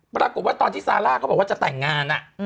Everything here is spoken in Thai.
ปรากฏว่าตอนที่ซาร่าเขาบอกว่าจะแต่งงาน